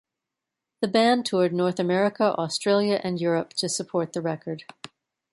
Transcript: The band toured North America, Australia and Europe to support the record.